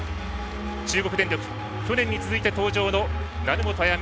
中国電力、去年に続いて登場の成本綾海